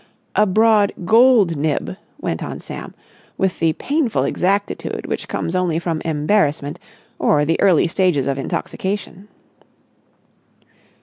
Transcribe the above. "A broad gold nib," went on Sam, with the painful exactitude which comes only from embarrassment or the early stages of intoxication.